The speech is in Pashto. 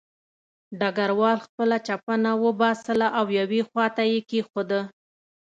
ډګروال خپله چپنه وباسله او یوې خوا ته یې کېښوده